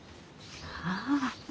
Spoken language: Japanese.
ああ。